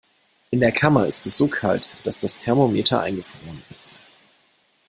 In der Kammer ist es so kalt, dass das Thermometer eingefroren ist.